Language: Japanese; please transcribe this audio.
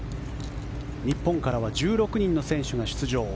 日本からは１６人の選手が出場。